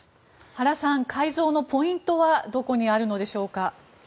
原さん、改造のポイントはどこにあるのでしょうか。